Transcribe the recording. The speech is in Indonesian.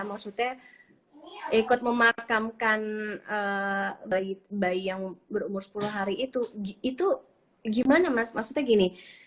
maksudnya ikut memakamkan bayi yang berumur sepuluh hari itu itu gimana mas maksudnya gini